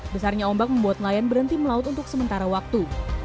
besarnya ombak membuat nelayan berhenti melaut untuk sementara waktu